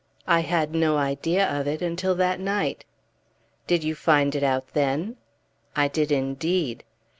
"I had no idea of it until that night." "Did you find it out then?" "I did, indeed!"